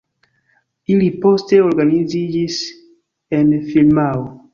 Ili poste organiziĝis en firmao.